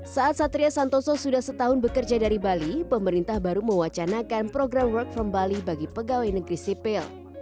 saat satria santoso sudah setahun bekerja dari bali pemerintah baru mewacanakan program work from bali bagi pegawai negeri sipil